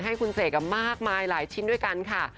ให้คุณเสกมากมายหลายชิ้นด้วยกันค่ะ